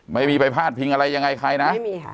ไม่มีใบภาพผิงอะไรยังไงใครน่ะ